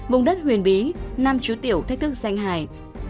bùng đất huyền bí năm chú tiểu thách thức danh hài